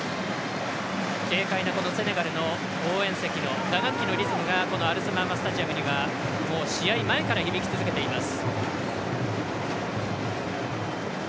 軽快なセネガルの応援席の打楽器の音がアルスマーマスタジアムには試合前から鳴っています。